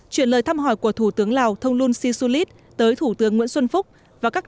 chuyển lời thăm hỏi của thủ tướng lào thông luân si su lít tới thủ tướng nguyễn xuân phúc và các